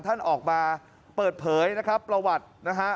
ท่านออกมาเปิดเผยนะครับประวัตินะฮะ